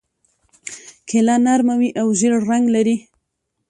کیله نرمه وي او ژېړ رنګ لري.